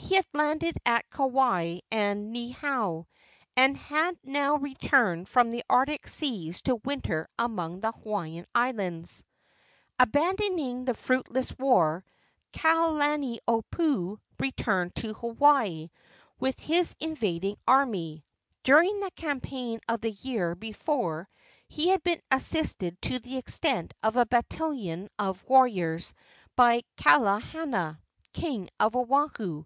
He had landed at Kauai and Niihau, and had now returned from the Arctic seas to winter among the Hawaiian Islands. Abandoning the fruitless war, Kalaniopuu returned to Hawaii with his invading army. During the campaign of the year before he had been assisted to the extent of a battalion of warriors by Kahahana, king of Oahu.